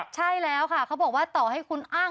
ใช่แล้วค่ะเขาบอกว่าต่อให้คุณอ้าง